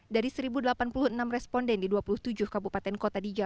dari satu delapan puluh enam responden di dua puluh tujuh kabupaten kota